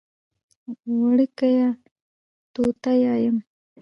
وړکیه! توته یایم.